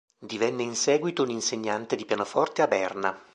Divenne in seguito un insegnante di pianoforte a Berna.